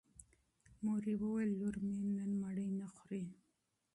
مور یې وویل چې لور مې نن ډوډۍ نه خوري.